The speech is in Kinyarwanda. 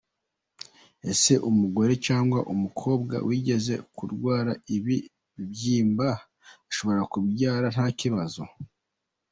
Ese umugore cyangwa umukobwa wigeze kurwara ibi bibyimba ashobora kubyara ntakibazo?.